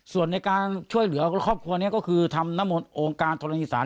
ส่วนในการช่วยเหลือครอบครัวนี้ก็คือทำนำโงงการทรณีศาสตร์